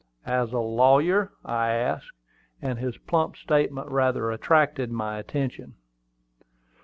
"As a lawyer?" I asked; and his plump statement rather attracted my attention.